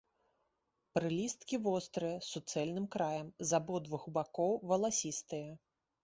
Прылісткі вострыя, з суцэльным краем, з абодвух бакоў валасістыя.